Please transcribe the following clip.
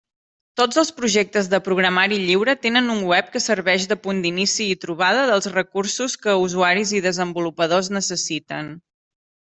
Tots els projectes de programari lliure tenen un web que serveix de punt d'inici i trobada dels recursos que usuaris i desenvolupadors necessiten.